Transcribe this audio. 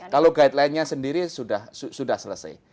kalau guideline nya sendiri sudah selesai